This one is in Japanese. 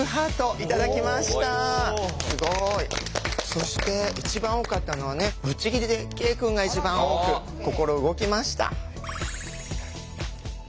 そして一番多かったのはねぶっちぎりで慶くんが一番多く心動きました。